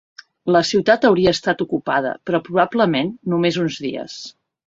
La ciutat hauria estat ocupada però probablement només uns dies.